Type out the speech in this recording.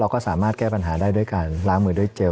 ก็สามารถแก้ปัญหาได้ด้วยการล้างมือด้วยเจล